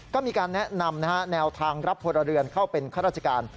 ก็มีการแนะนำแนวทางรับพลเรือนเข้าเป็นข้าราชการ